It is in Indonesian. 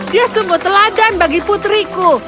dia sungguh teladan bagi putriku